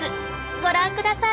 ご覧ください！